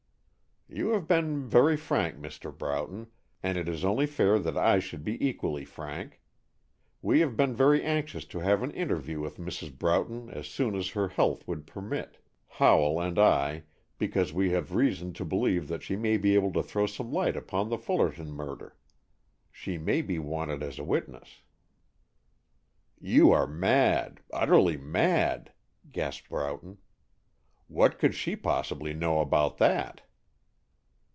"You have been very frank, Mr. Broughton, and it is only fair that I should be equally frank. We have been very anxious to have an interview with Mrs. Broughton as soon as her health would permit, Howell and I, because we have reason to believe that she may be able to throw some light upon the Fullerton murder. She may be wanted as a witness." "You are mad, utterly mad," gasped Broughton. "What could she possibly know about that?"